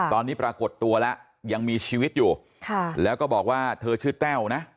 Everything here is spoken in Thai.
ตอนนี้ปรากฏตัวแล้วยังมีชีวิตอยู่แล้วก็บอกว่าเธอชื่อแต้วนะ